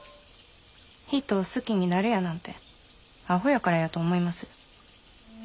人を好きになるやなんてあほやからやと思います。